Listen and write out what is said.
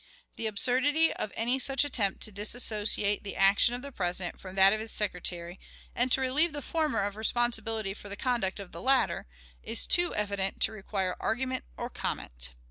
The absurdity of any such attempt to disassociate the action of the President from that of his Secretary, and to relieve the former of responsibility for the conduct of the latter, is too evident to require argument or comment.